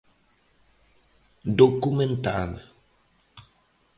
Documental.